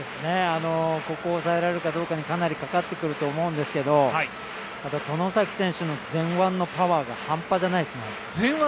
ここを抑えられるかどうかにかなりかかってくると思うんですけれども、外崎選手の前腕のパワーが半端じゃないですね。